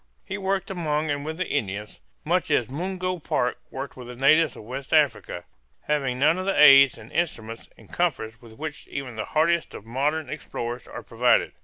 He worked among and with the Indians, much as Mungo Park worked with the natives of West Africa, having none of the aids, instruments, and comforts with which even the hardiest of modern explorers are provided.